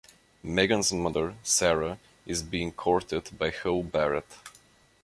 Megan's mother, Sarah, is being courted by Hull Barret.